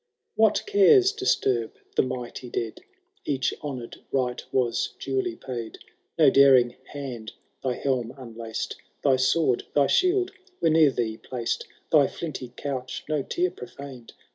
*^ What cares disturb the mighty dead ? Each honour*d rite was duly paid ; No daring hand thy helm unlaced. Thy sword, thy shield, were near thee placed. Thy flinty couch no tear profaned.